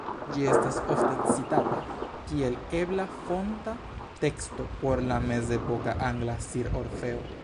Ĝi estas ofte citata kiel ebla fonta teksto por la mezepoka angla Sir Orfeo.